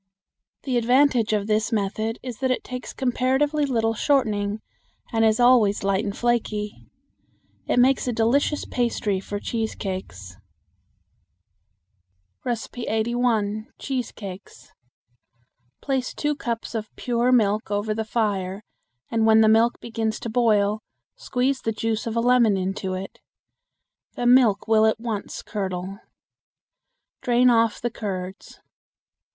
The advantage of this method is that it takes comparatively little shortening and is always light and flaky. It makes a delicious pastry for cheese cakes. 81. Cheese Cakes. Place two cups of pure milk over the fire and when the milk begins to boil squeeze the juice of a lemon into it. The milk will at once curdle. Drain off the curds.